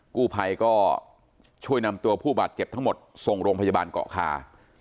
กู้ภัยก็ช่วยนำตัวผู้บาดเจ็บทั้งหมดส่งโรงพยาบาลเกาะคา